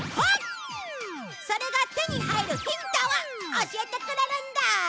それが手に入るヒントを教えてくれるんだ。